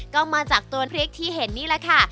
ก็มาจากตัวพริกที่เห็นนี่แหละค่ะ